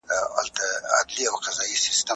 ایا تکړه پلورونکي کاغذي بادام صادروي؟